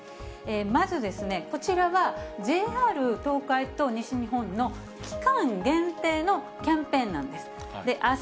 まずこちらは、ＪＲ東海と西日本の期間限定のキャンペーンなんです。